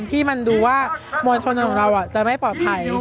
ที่มันดูว่ามวลชนของเราจะไม่ปลอดภัย